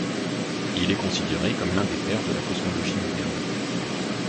Il est considéré comme l'un des pères de la cosmologie moderne.